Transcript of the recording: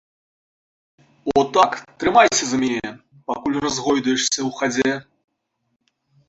О так, трымайся за мяне, пакуль разгойдаешся ў хадзе.